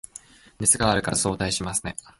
熱があるから早退しますね